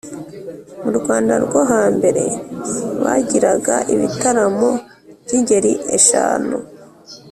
Mu Rwanda rwo hambere, bagiraga ibitaramo by’ingeri eshanu,